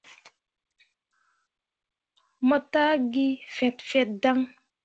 Mo taa gi fet fet dan.